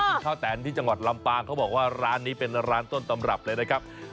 ข้าวแตนที่จังหวัดลำปางเขาบอกว่าร้านนี้เป็นร้านต้นตำรับเลยนะครับ